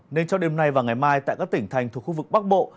nên cho đêm nay và ngày mai tại các tỉnh thành thuộc khu vực bắc bộ